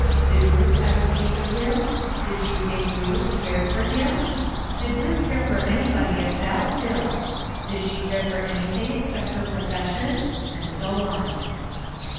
Did Ruth ever speak of him? Did she think Ruth cared for him? Did Ruth care for anybody at Fallkill? Did she care for anything except her profession? And so on.